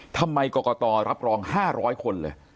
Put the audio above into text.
ทำไมกรกตรับรอง๕๐๐คนเลย